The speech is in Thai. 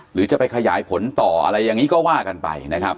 หรือจะไปขยายผลต่ออะไรอย่างนี้ก็ว่ากันไปนะครับ